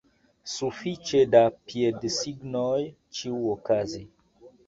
Sufiĉe da piedsignoj ĉiuokaze!